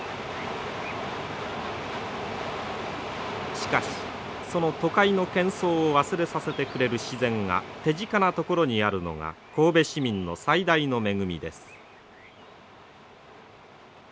しかしその都会のけん騒を忘れさせてくれる自然が手近なところにあるのが神戸市民の最大の恵みです。